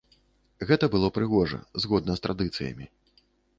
Гэта было прыгожа, згодна з традыцыямі.